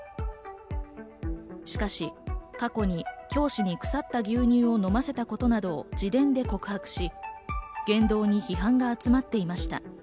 しかし過去に教師に腐った牛乳を飲ませたことなどを自伝で告白し、言動に批判が集まっていました。